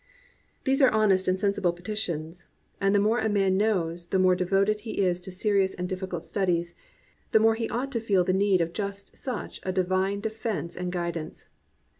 These are honest and sensible petitions. And the more a man knows, the more devoted he is to serious and difficult studies, the more he ought to feel the need of just such a divine defense and guidance.